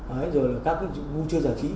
rồi là các vụ chưa giải trí